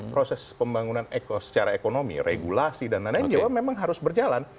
proses pembangunan secara ekonomi regulasi dan lain lain juga memang harus berjalan